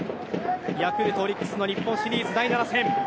ヤクルト、オリックスの日本シリーズ第７戦。